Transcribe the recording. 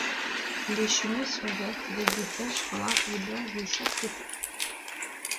Les chenilles sont vertes avec des taches noires et blanches de chaque côté.